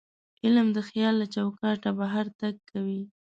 علم د خیال له چوکاټه بهر تګ کوي.